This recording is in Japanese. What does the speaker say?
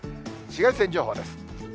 紫外線情報です。